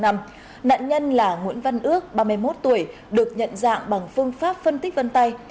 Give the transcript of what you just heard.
nạn nhân là nguyễn văn ước ba mươi một tuổi được nhận dạng bằng phương pháp phân tích vân tay